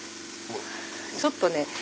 ちょっとね